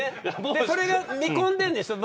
それを見込んでるんでしょう。